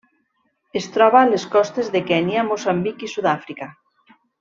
Es troba a les costes de Kenya, Moçambic i Sud-àfrica.